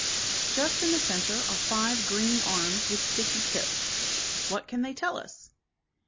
Just in the center are five green arms with sticky tips. What can they tell us